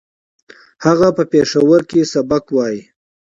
هغه په پېښور کې سبق وايي